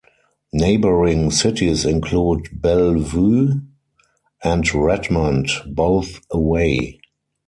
Neighboring cities include Bellevue, and Redmond, both away.